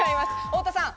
太田さん。